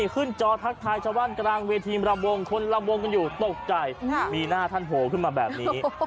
คนละวงกันอยู่ตกใจมีหน้าท่านโหขึ้นมาแบบนี้